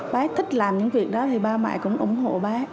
bá thích làm những việc đó thì ba mẹ cũng ủng hộ bá